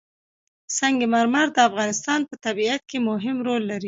سنگ مرمر د افغانستان په طبیعت کې مهم رول لري.